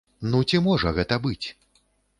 Ну ці можа гэта быць?